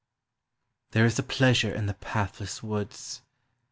There is a pleasure in the pathless woods.